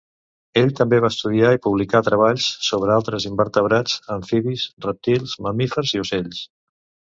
Ell també va estudiar i publicar treballs sobre altres invertebrats, amfibis, rèptils, mamífers i ocells.